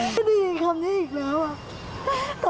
ได้ยินคำนี้อีกแล้วอะ